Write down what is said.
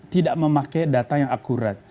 tidak memakai data yang akurat